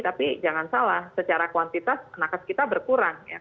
tapi jangan salah secara kuantitas nakes kita berkurang ya